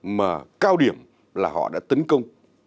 mà cao điểm là họ đã tấn công